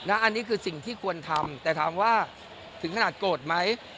อันนี้คือสิ่งที่ควรทำแต่ถามว่าถึงขนาดโกรธไหม